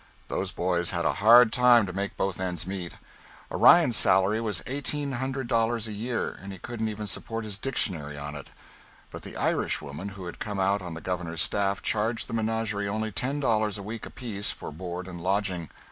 Those boys had a hard time to make both ends meet. Orion's salary was eighteen hundred dollars a year, and he wouldn't even support his dictionary on it. But the Irishwoman who had come out on the Governor's staff charged the menagerie only ten dollars a week apiece for board and lodging.